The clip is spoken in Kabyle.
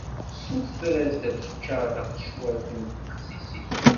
Tessuter-as ad d-teččar taqecwalt n tbexsisin.